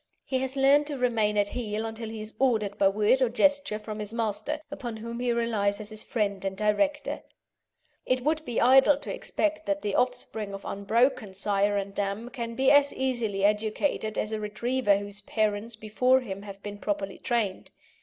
He has learned to remain at heel until he is ordered by word or gesture from his master, upon whom he relies as his friend and director. It would be idle to expect that the offspring of unbroken sire and dam can be as easily educated as a Retriever whose parents before him have been properly trained.